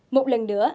một lần nữa